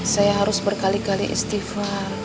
saya harus berkali kali istival